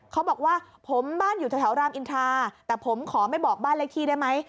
เขาบอกว่าผมบ้านอยู่แถวรามอินทราแต่ผมขอไม่บอกบ้านเลขที่ได้ไหม